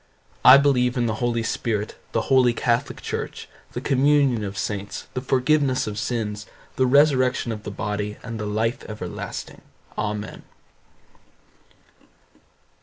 I believe in the Holy Spirit, the holy catholic church, the communion of saints, the forgiveness of sins, the resurrection of the body, and the life everlasting. AMEN.